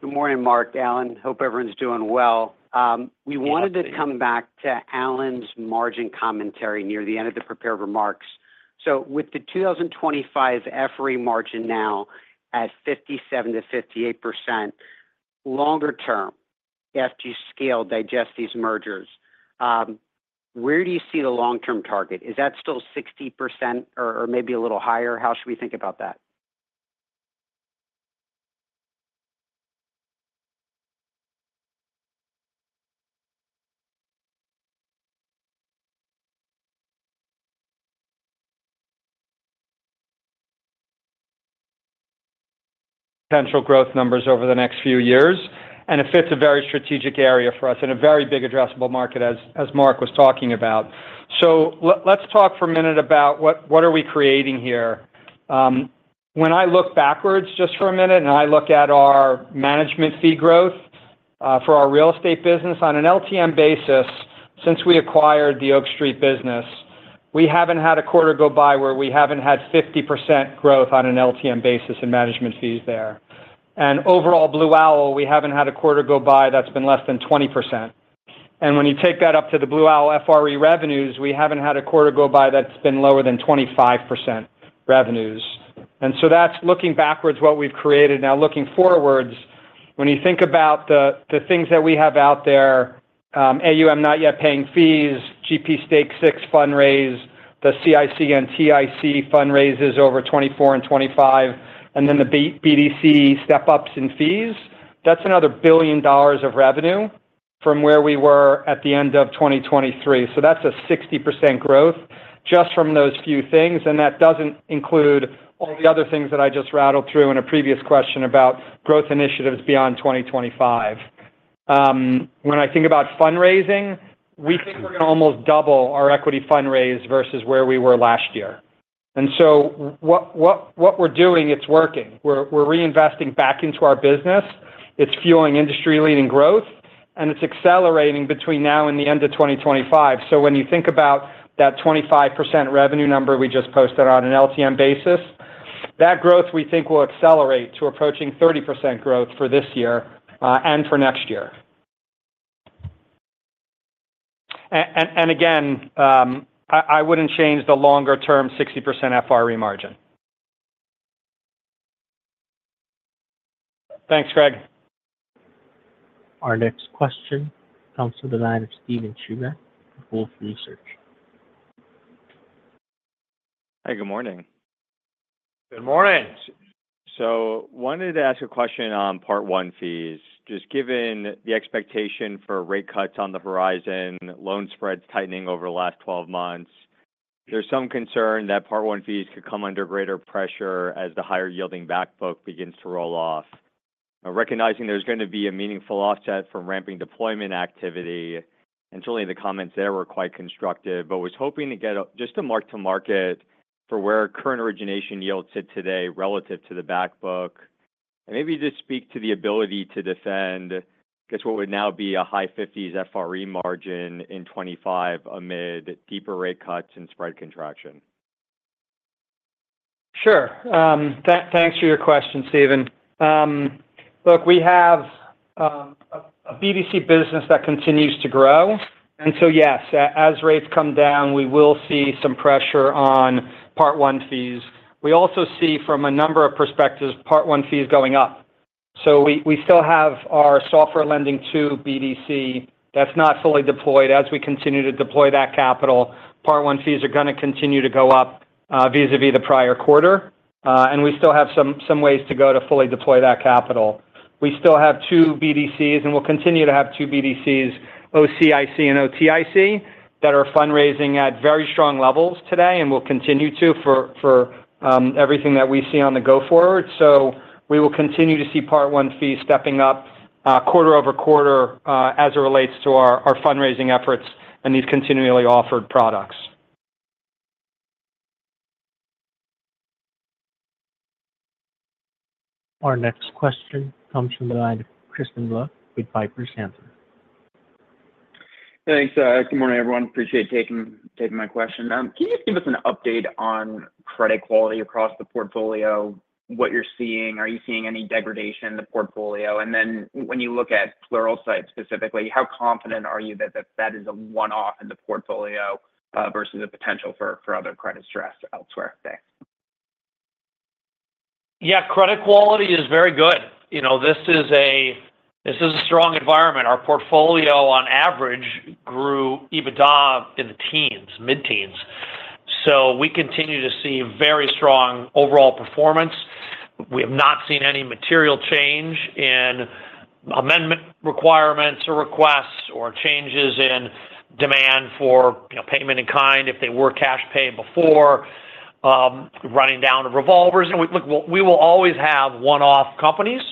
Good morning, Marc, Alan. Hope everyone's doing well. We wanted to come back to Alan's margin commentary near the end of the prepared remarks. So with the 2025 FRE margin now at 57%-58%, longer term, as you scale digest these mergers, where do you see the long-term target? Is that still 60% or, or maybe a little higher? How should we think about that? Potential growth numbers over the next few years, and it fits a very strategic area for us in a very big addressable market, as Marc was talking about. So let's talk for a minute about what are we creating here. When I look backwards just for a minute, and I look at our management fee growth, for our real estate business on an LTM basis, since we acquired the Oak Street business, we haven't had a quarter go by where we haven't had 50% growth on an LTM basis in management fees there. And overall, Blue Owl, we haven't had a quarter go by that's been less than 20%. And when you take that up to the Blue Owl FRE revenues, we haven't had a quarter go by that's been lower than 25% revenues. And so that's looking backwards, what we've created. Now, looking forwards, when you think about the things that we have out there, AUM not yet paying fees, GP Stake six fundraise, the OCIC and OTIC fundraises over 2024 and 2025, and then the BDC step-ups in fees, that's another $1 billion of revenue from where we were at the end of 2023. So that's a 60% growth just from those few things, and that doesn't include all the other things that I just rattled through in a previous question about growth initiatives beyond 2025. When I think about fundraising, we think we're gonna almost double our equity fundraise versus where we were last year. And so what we're doing, it's working. We're reinvesting back into our business. It's fueling industry-leading growth, and it's accelerating between now and the end of 2025. So when you think about that 25% revenue number we just posted on an LTM basis, that growth, we think, will accelerate to approaching 30% growth for this year and for next year. And again, I wouldn't change the longer-term 60% FRE margin. Thanks, Craig. Our next question comes from the line of Steven Chubak, Wolfe Research. Hi, good morning. Good morning. Wanted to ask a question on Part One fees. Just given the expectation for rate cuts on the horizon, loan spreads tightening over the last 12 months,... There's some concern that Part One fees could come under greater pressure as the higher-yielding back book begins to roll off. Now, recognizing there's going to be a meaningful offset from ramping deployment activity, and certainly the comments there were quite constructive, but was hoping to get a-- just to mark to market for where current origination yields sit today relative to the back book. And maybe just speak to the ability to defend, I guess, what would now be a high 50s FRE margin in 2025 amid deeper rate cuts and spread contraction. Sure. Thanks for your question, Steven. Look, we have a BDC business that continues to grow, and so, yes, as rates come down, we will see some pressure on Part One fees. We also see, from a number of perspectives, Part One fees going up. So we still have our software lending to BDC that's not fully deployed. As we continue to deploy that capital, Part One fees are going to continue to go up vis-a-vis the prior quarter, and we still have some ways to go to fully deploy that capital. We still have two BDCs, and we'll continue to have two BDCs, OCIC and OTIC, that are fundraising at very strong levels today and will continue to for everything that we see on the go forward. So we will continue to see Part One fees stepping up, quarter-over-quarter, as it relates to our fundraising efforts and these continually offered products. Our next question comes from the line of Crispin Love with Piper Sandler. Thanks. Good morning, everyone. Appreciate you taking my question. Can you just give us an update on credit quality across the portfolio? What you're seeing, are you seeing any degradation in the portfolio? And then when you look at Pluralsight specifically, how confident are you that that is a one-off in the portfolio versus a potential for other credit stress elsewhere, thanks. Yeah, credit quality is very good. You know, this is a strong environment. Our portfolio on average grew EBITDA in the teens, mid-teens. So we continue to see very strong overall performance. We have not seen any material change in amendment requirements or requests or changes in demand for, you know, payment in kind if they were cash paid before, running down the revolvers. And we look, we will always have one-off companies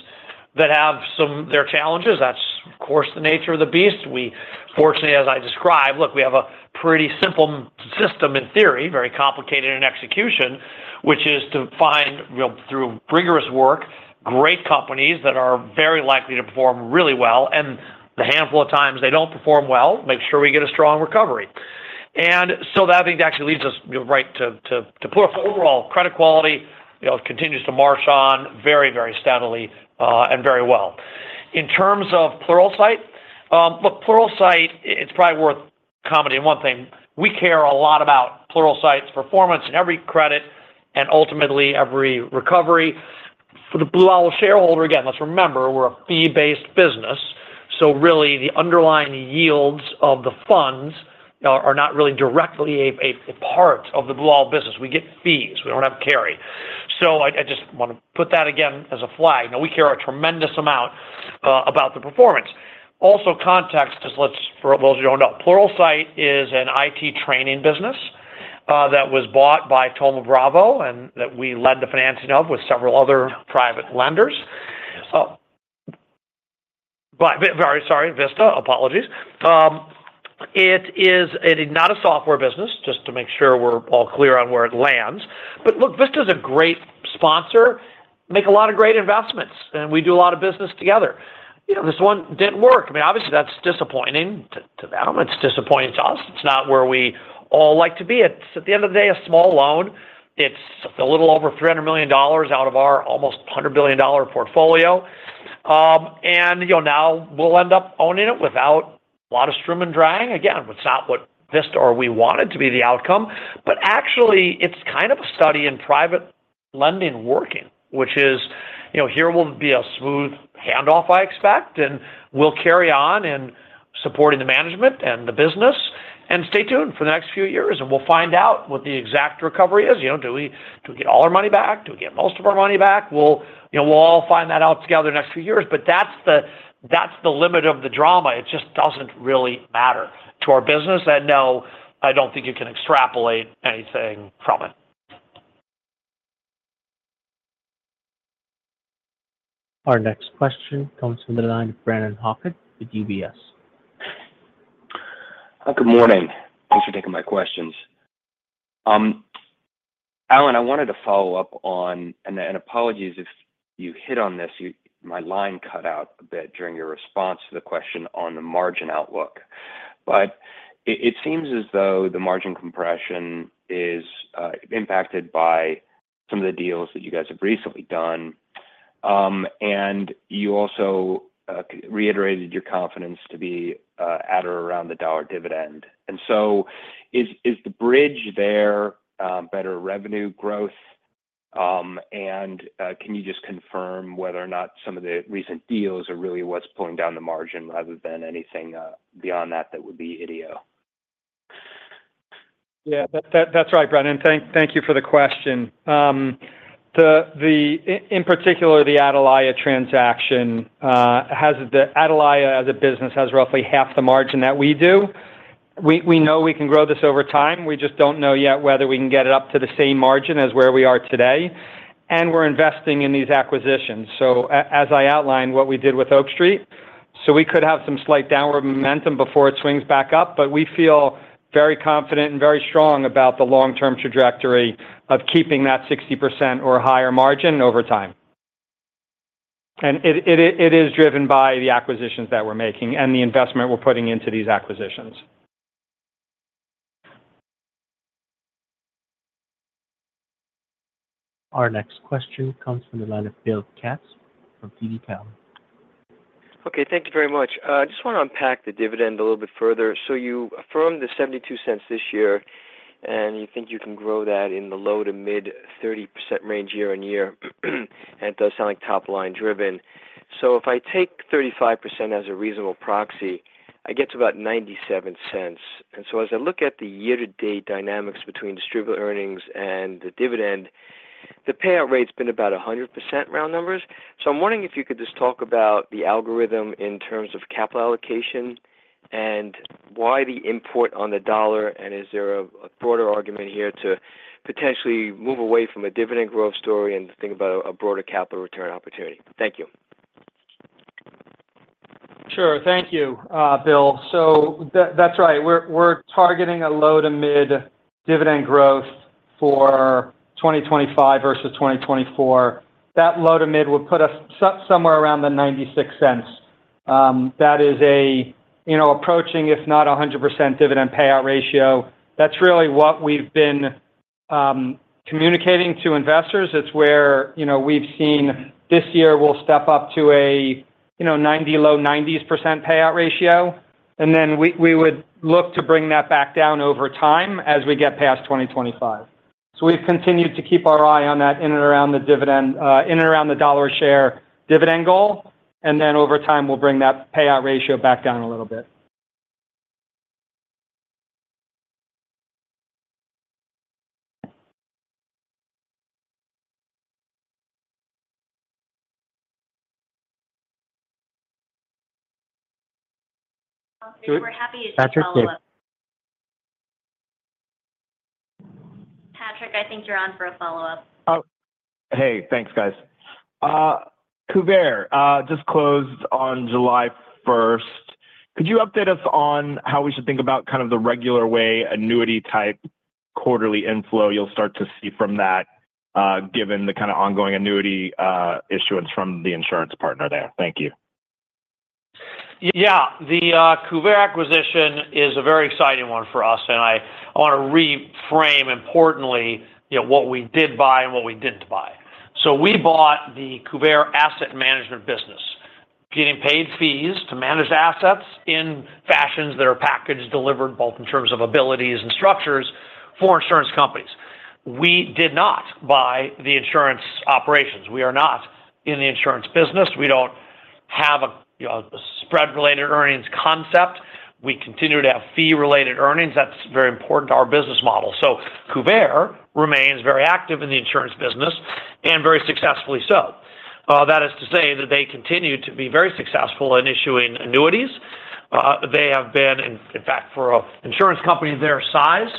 that have their challenges. That's, of course, the nature of the beast. We fortunately, as I described, look, we have a pretty simple system in theory, very complicated in execution, which is to find, you know, through rigorous work, great companies that are very likely to perform really well, and the handful of times they don't perform well, make sure we get a strong recovery. And so that I think actually leads us right to overall credit quality, you know, continues to march on very, very steadily and very well. In terms of Pluralsight, look, Pluralsight, it's probably worth commenting on one thing. We care a lot about Pluralsight's performance in every credit and ultimately every recovery. For the Blue Owl shareholder, again, let's remember, we're a fee-based business, so really the underlying yields of the funds are not really directly a part of the Blue Owl business. We get fees. We don't have carry. So I just want to put that again as a flag. Now, we care a tremendous amount about the performance. Also, context is let's for those who don't know, Pluralsight is an IT training business that was bought by Thoma Bravo, and that we led the financing of with several other private lenders. But very sorry, Vista, apologies. It is, it is not a software business, just to make sure we're all clear on where it lands. But look, Vista is a great sponsor, make a lot of great investments, and we do a lot of business together. You know, this one didn't work. I mean, obviously, that's disappointing to, to them. It's disappointing to us. It's not where we all like to be. It's, at the end of the day, a small loan. It's a little over $300 million out of our almost $100 billion portfolio. And, you know, now we'll end up owning it without a lot of Sturm and Drang. Again, it's not what Vista or we wanted to be the outcome, but actually it's kind of a study in private lending working, which is, you know, here will be a smooth handoff, I expect, and we'll carry on in supporting the management and the business. Stay tuned for the next few years, and we'll find out what the exact recovery is. You know, do we- do we get all our money back? Do we get most of our money back? We'll... you know, we'll all find that out together in the next few years, but that's the, that's the limit of the drama. It just doesn't really matter to our business, and, no, I don't think you can extrapolate anything from it. Our next question comes from the line of Brennan Hawken with UBS. Good morning. Thanks for taking my questions. Alan, I wanted to follow up on... and apologies if you hit on this. My line cut out a bit during your response to the question on the margin outlook. But it seems as though the margin compression is impacted by some of the deals that you guys have recently done. And you also reiterated your confidence to be at or around the dollar dividend. And so is the bridge there better revenue growth? And can you just confirm whether or not some of the recent deals are really what's pulling down the margin rather than anything beyond that that would be idio? Yeah, that's right, Brandon. Thank you for the question. In particular, the Atalaya transaction, Atalaya as a business, has roughly half the margin that we do. We know we can grow this over time. We just don't know yet whether we can get it up to the same margin as where we are today, and we're investing in these acquisitions. So as I outlined, what we did with Oak Street, so we could have some slight downward momentum before it swings back up. But we feel very confident and very strong about the long-term trajectory of keeping that 60% or higher margin over time. And it is driven by the acquisitions that we're making and the investment we're putting into these acquisitions. Our next question comes from the line of Bill Katz from TD Cowen. Okay, thank you very much. I just want to unpack the dividend a little bit further. So you affirmed the $0.72 this year, and you think you can grow that in the low-to-mid 30% range year-on-year, and it does sound like top line driven. So if I take 35% as a reasonable proxy, I get to about $0.97. And so as I look at the year-to-date dynamics between distributable earnings and the dividend, the payout rate's been about 100% round numbers. So I'm wondering if you could just talk about the algorithm in terms of capital allocation and why the import on the dollar, and is there a broader argument here to potentially move away from a dividend growth story and think about a broader capital return opportunity? Thank you. Sure. Thank you, Bill. So that's right. We're targeting a low to mid dividend growth for 2025 versus 2024. That low to mid would put us somewhere around the $0.96. That is a, you know, approaching, if not 100% dividend payout ratio. That's really what we've been communicating to investors. It's where, you know, we've seen this year will step up to a, you know, 90, low 90s% payout ratio, and then we would look to bring that back down over time as we get past 2025. So we've continued to keep our eye on that in and around the dividend, in and around the $1 share dividend goal, and then over time, we'll bring that payout ratio back down a little bit. We're happy to follow up. Patrick, I think you're on for a follow-up. Oh, hey, thanks, guys. Kuvare just closed on July first. Could you update us on how we should think about kind of the regular way, annuity-type quarterly inflow you'll start to see from that, given the kind of ongoing annuity issuance from the insurance partner there? Thank you. Yeah. The Kuvare acquisition is a very exciting one for us, and I want to reframe importantly, you know, what we did buy and what we didn't buy. So we bought the Kuvare Asset Management business, getting paid fees to manage assets in fashions that are packaged, delivered, both in terms of abilities and structures for insurance companies. We did not buy the insurance operations. We are not in the insurance business. We don't have a, you know, a spread-related earnings concept. We continue to have fee-related earnings. That's very important to our business model. So Kuvare remains very active in the insurance business and very successfully so. That is to say that they continue to be very successful in issuing annuities. They have been, in fact, for an insurance company their size,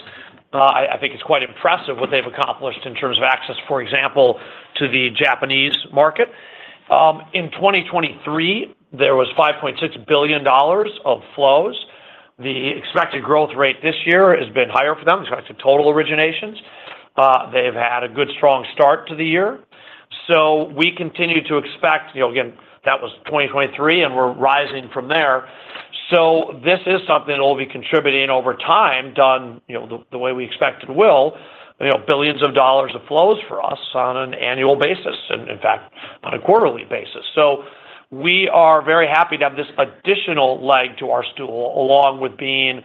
I, I think it's quite impressive what they've accomplished in terms of access, for example, to the Japanese market. In 2023, there was $5.6 billion of flows. The expected growth rate this year has been higher for them in terms of total originations. They've had a good, strong start to the year, so we continue to expect, you know, again, that was 2023, and we're rising from there. So this is something that will be contributing over time, done, you know, the, the way we expect it will, you know, billions of dollars of flows for us on an annual basis, and in fact, on a quarterly basis. So we are very happy to have this additional leg to our stool, along with being,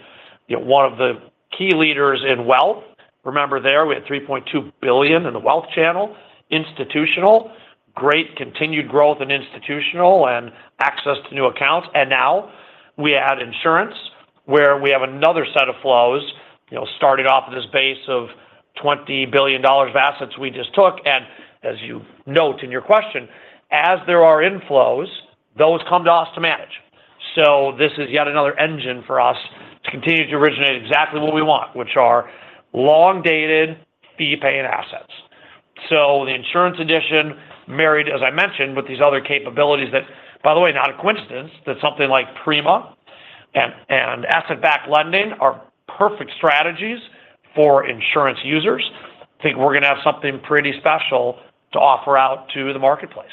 you know, one of the key leaders in wealth. Remember, there, we had $3.2 billion in the wealth channel, institutional, great continued growth in institutional and access to new accounts, and now we add insurance, where we have another set of flows, you know, starting off with this base of $20 billion of assets we just took. And as you note in your question, as there are inflows, those come to us to manage. So this is yet another engine for us to continue to originate exactly what we want, which are long-dated fee-paying assets. So the insurance addition, married, as I mentioned, with these other capabilities that, by the way, not a coincidence, that something like Prima and, and asset-backed lending are perfect strategies for insurance users. I think we're going to have something pretty special to offer out to the marketplace.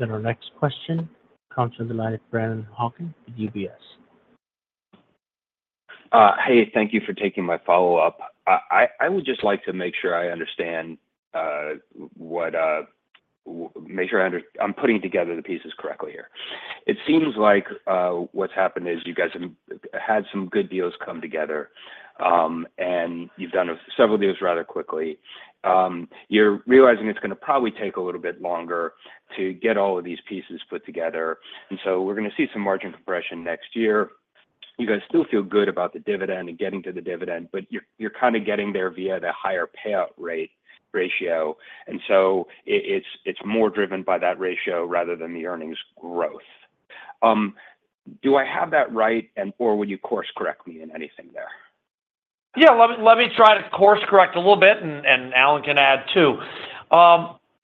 Our next question comes from the line of Brennan Hawken, UBS. Hey, thank you for taking my follow-up. I would just like to make sure I understand. I'm putting together the pieces correctly here. It seems like what's happened is you guys have had some good deals come together, and you've done several deals rather quickly. You're realizing it's gonna probably take a little bit longer to get all of these pieces put together, and so we're gonna see some margin compression next year. You guys still feel good about the dividend and getting to the dividend, but you're kind of getting there via the higher payout rate ratio. And so it's more driven by that ratio rather than the earnings growth. Do I have that right, and or would you course-correct me in anything there? Yeah, let me, let me try to course-correct a little bit, and, and Alan can add, too.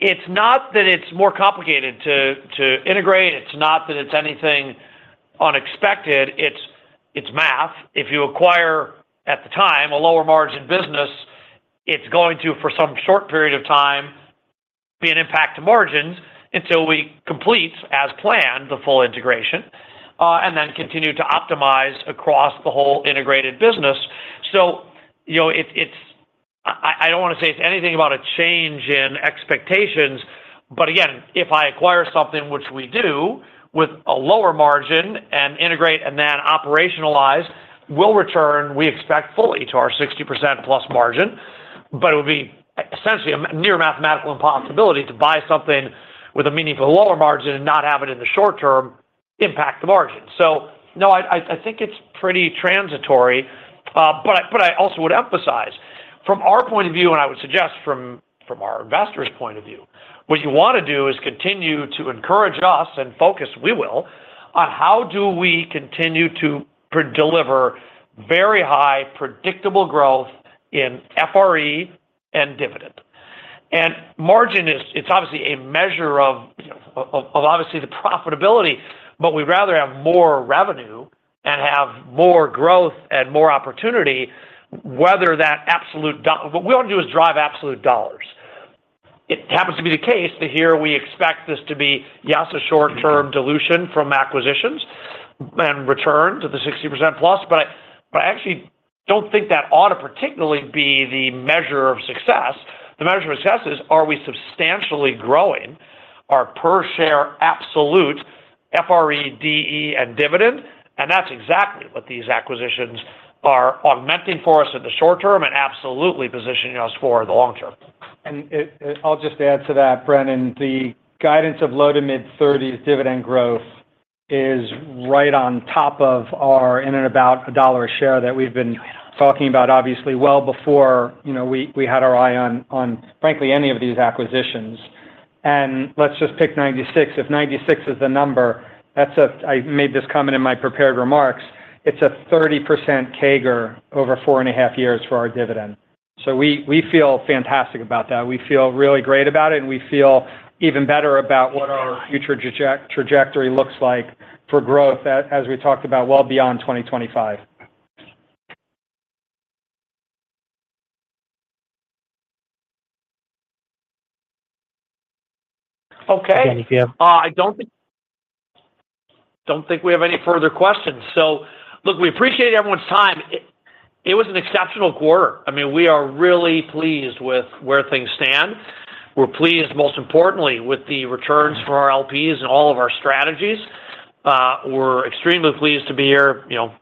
It's not that it's more complicated to, to integrate, it's not that it's anything unexpected. It's, it's math. If you acquire, at the time, a lower margin business, it's going to, for some short period of time, be an impact to margins until we complete, as planned, the full integration, and then continue to optimize across the whole integrated business. So you know, it's, it's. I, I don't want to say it's anything about a change in expectations, but again, if I acquire something, which we do, with a lower margin and integrate and then operationalize, we'll return, we expect, fully to our 60% plus margin. But it would be essentially a near mathematical impossibility to buy something with a meaningful lower margin and not have it in the short term impact the margin. So no, I think it's pretty transitory. But I also would emphasize, from our point of view, and I would suggest from our investors' point of view, what you want to do is continue to encourage us and focus we will on how do we continue to deliver very high, predictable growth in FRE and dividend. And margin is it's obviously a measure of obviously the profitability, but we'd rather have more revenue and have more growth and more opportunity, whether that absolute what we want to do is drive absolute dollars. It happens to be the case that here we expect this to be, yes, a short-term dilution from acquisitions and return to the 60%+. But I, but I actually don't think that ought to particularly be the measure of success. The measure of success is, are we substantially growing our per share absolute FRE, DE, and dividend? And that's exactly what these acquisitions are augmenting for us in the short term and absolutely positioning us for the long term. I'll just add to that, Brennan, the guidance of low- to mid-30s dividend growth is right on top of our in and about $1 a share that we've been talking about, obviously, well before, you know, we had our eye on, frankly, any of these acquisitions. Let's just pick 96. If 96 is the number, that's a... I made this comment in my prepared remarks, it's a 30% CAGR over four and a half years for our dividend. So we feel fantastic about that. We feel really great about it, and we feel even better about what our future trajectory looks like for growth, as we talked about, well beyond 2025. Okay. I don't think we have any further questions. So look, we appreciate everyone's time. It was an exceptional quarter. I mean, we are really pleased with where things stand. We're pleased, most importantly, with the returns for our LPs and all of our strategies. We're extremely pleased to be here, you know,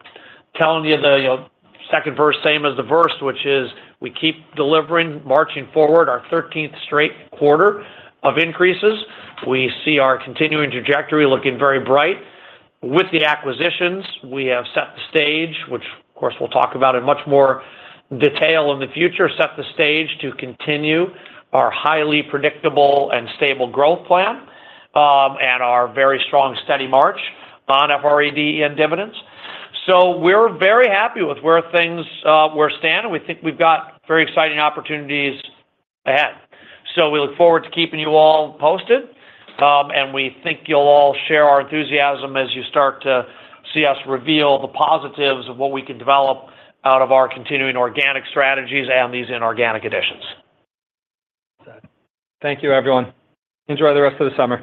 telling you the, you know, second verse, same as the verse, which is we keep delivering, marching forward, our thirteenth straight quarter of increases. We see our continuing trajectory looking very bright. With the acquisitions, we have set the stage, which of course, we'll talk about in much more detail in the future, set the stage to continue our highly predictable and stable growth plan, and our very strong, steady march on FRE and dividends. So we're very happy with where things, we're standing. We think we've got very exciting opportunities ahead. So we look forward to keeping you all posted, and we think you'll all share our enthusiasm as you start to see us reveal the positives of what we can develop out of our continuing organic strategies and these inorganic additions. Thank you, everyone. Enjoy the rest of the summer.